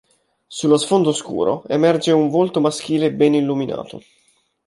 Sullo sfondo scuro emerge un volto maschile ben illuminato.